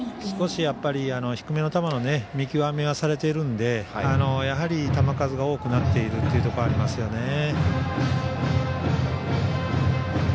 少し低めの球の見極めはされているのでやはり球数が多くなっているというところはありますね。